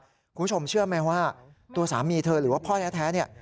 คุณผู้ชมเชื่อไหมว่าตัวสามีเธอหรือว่าพ่อแท้เนี่ย